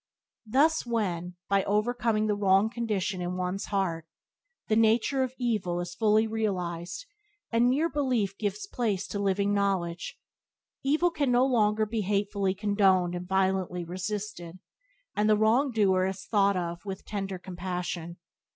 Thus when, by overcoming the wrong condition in one's own heart, the nature of evil is fully realized and mere belief gives place to living knowledge, evil can no longer be hatefully condoned and violently resisted, and the wrong doer is thought of with tender compassion.